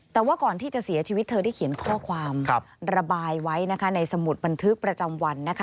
แต่ว่าก่อนที่จะเสียชีวิตเธอได้เขียนข้อความระบายไว้นะคะในสมุดบันทึกประจำวันนะคะ